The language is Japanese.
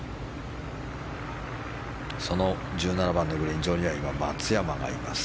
その１７番のグリーン上には今、松山がいます。